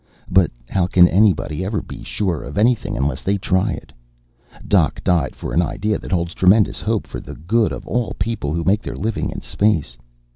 "But how can anybody ever be sure of anything unless they try it? Doc died for an idea that holds tremendous hope for the good of all people who make their living in space.